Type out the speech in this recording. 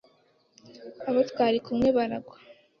abo twari kumwe baragwa